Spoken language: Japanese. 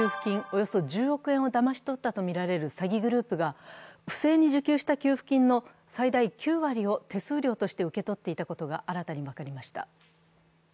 およそ１０億円をだまし取ったとみられる詐欺グループが不正に受給した給付金の最大９割を手数料として受け取っていたことが新たに分かりました。